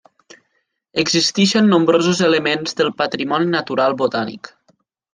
Existeixen nombrosos elements del patrimoni natural botànic.